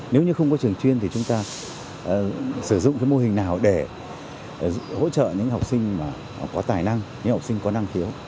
nếu như không có trường chuyên thì chúng ta sử dụng cái mô hình nào để hỗ trợ những học sinh mà họ có tài năng những học sinh có năng khiếu